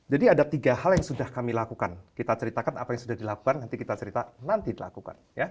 jadi ada tiga hal yang sudah kami lakukan kita ceritakan apa yang sudah dilakukan nanti kita cerita nanti dilakukan